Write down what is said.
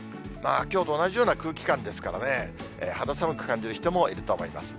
きょうと同じような空気感ですからね、肌寒く感じる人もいると思います。